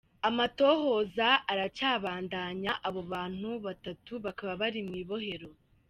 Amatohoza aracabandanya, abo bantu batatu bakaba bari mw'ibohero.